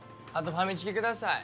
ファミチキください